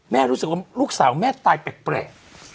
รู้สึกว่าลูกสาวแม่ตายแปลก